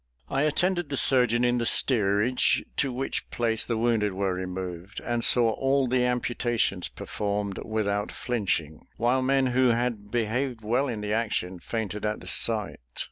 I attended the surgeon in the steerage, to which place the wounded were removed, and saw all the amputations performed, without flinching; while men who had behaved well in the action fainted at the sight.